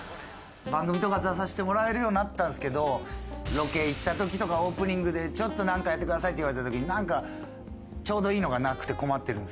番組とか出させてもらえるようになったんですけどロケ行った時とかオープニングで「ちょっとなんかやってください」って言われた時になんかちょうどいいのがなくて困ってるんですけど。